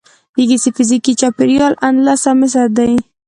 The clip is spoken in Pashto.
د کیسې فزیکي چاپیریال اندلس او مصر دی.